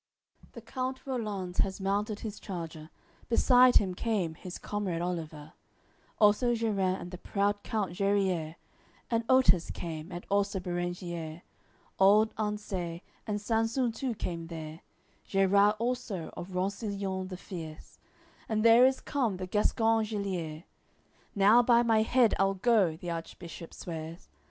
AOI. LXIV The count Rollanz has mounted his charger. Beside him came his comrade Oliver, Also Gerins and the proud count Geriers, And Otes came, and also Berengiers, Old Anseis, and Sansun too came there; Gerart also of Rossillon the fierce, And there is come the Gascon Engeliers. "Now by my head I'll go!" the Archbishop swears.